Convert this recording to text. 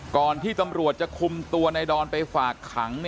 ก่อนที่ตำรวจจะคุมตัวในดอนไปฝากขัง